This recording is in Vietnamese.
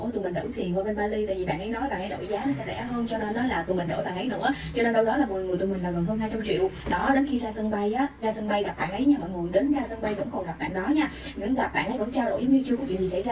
tụi mình không biết theo một cái gì hết